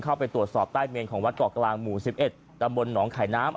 เข้าไปตรวจสอบใต้เมนของวัดเกาะกลางหมู่๑๑ตำบลหนองขายน้ำ